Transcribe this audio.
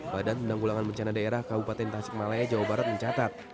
badan penanggulangan bencana daerah kabupaten tasikmalaya jawa barat mencatat